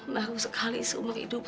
baru sekali seumur hidup